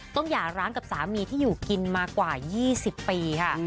หย่าร้างกับสามีที่อยู่กินมากว่า๒๐ปีค่ะ